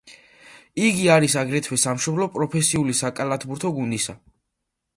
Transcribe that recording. იგი არის აგრეთვე სამშობლო პროფესიული საკალათბურთო გუნდისა.